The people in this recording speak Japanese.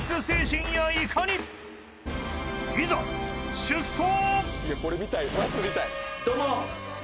［いざ出走！］